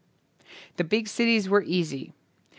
The big cities were easy.